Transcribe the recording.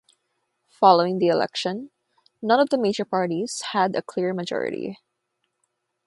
Following the election none of the major parties had a clear majority.